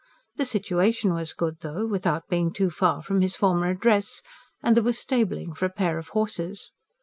The situation was good though without being too far from his former address and there was stabling for a pair of horses.